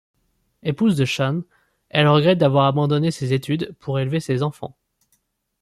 Épouse de Sean, elle regrette d'avoir abandonné ses études pour élever ses enfants.